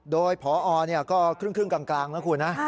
โดยพอก็ครึ่งกลางนะคุณนะ